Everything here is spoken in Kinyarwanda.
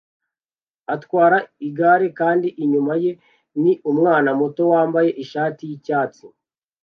atwara igare kandi inyuma ye ni umwana muto wambaye ishati y'icyatsi